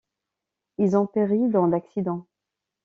Ils ont péri dans l'accident.